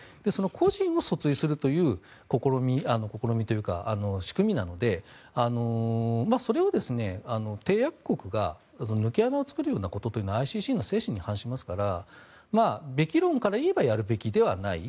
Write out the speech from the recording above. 個人を訴追するという試みというか仕組みなのでそれを締約国が、抜け穴を作るようなことというのはＩＣＣの精神に反しますからべき論から言えばやるべきではない。